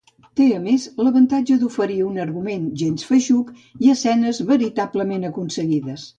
Té a més l'avantatge d'oferir un argument gens feixuc i escenes veritablement aconseguides.